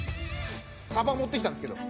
サバ持ってきたんですけど。